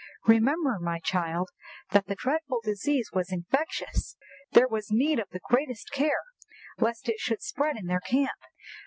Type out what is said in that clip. "Remember, my child, that the dreadful disease was infectious; there was need of the greatest care lest it should spread in their camp.